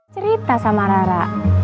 cerita sama rara